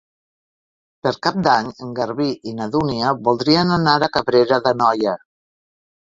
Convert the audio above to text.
Per Cap d'Any en Garbí i na Dúnia voldrien anar a Cabrera d'Anoia.